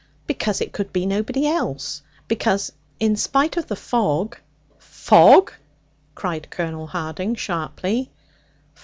'Because it could be nobody else. Because, in spite of the fog ' 'Fog!' cried Colonel Harding sharply.